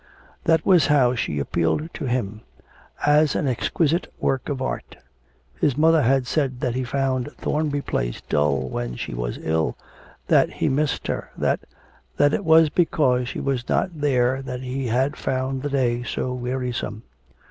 That was how she appealed to him as an exquisite work of art. His mother had said that he found Thornby Place dull when she was ill, that he missed her, that that it was because she was not there that he had found the day so wearisome.